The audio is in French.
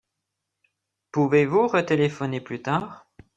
Pouvez-vous retéléphoner plus tard ?